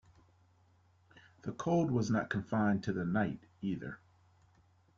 The cold was not confined to the night, either.